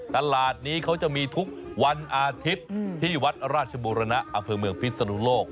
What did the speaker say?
ตลาดนี้เขาจะมีทุกวันอาทิตย์ที่วัดราชบุรณะอำเภอเมืองพิศนุโลก